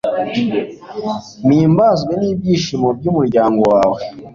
mpimbazwe n'ibyishimo by'umuryango wawe